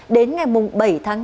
đến ngày bảy tháng năm